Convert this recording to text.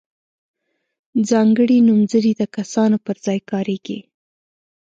ځانګړي نومځري د کسانو پر ځای کاریږي.